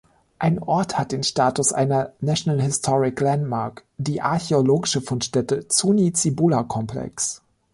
Ein Ort hat den Status einer National Historic Landmark, die archäologische Fundstätte Zuni-Cibola Complex.